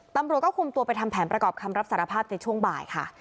ตำรวจก็คุมตัวไปทำแผนประกอบคำรับสารภาพในช่วงบ่ายค่ะ